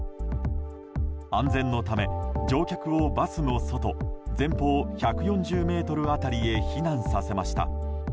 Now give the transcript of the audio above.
安全のため、乗客をバスの外前方１４０ｍ辺りへ避難させました。